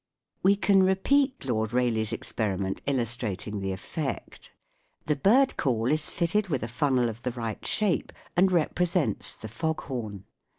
We can repeat Lord Rayleigh's experiment illustrating the effect. The bird call is fitted with a funnel of the right shape and represents the fog horn.